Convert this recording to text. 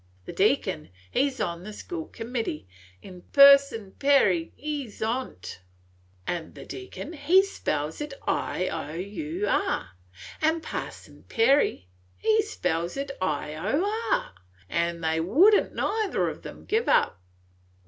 The Deacon he 's on the school committee, en' Person Perry he 's on 't; an' the Deacon he spells it iour, an' Parson Perry he spells it ior, an' they would n't neither on 'em give up.